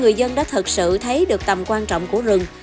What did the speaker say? người dân đã thật sự thấy được tầm quan trọng của rừng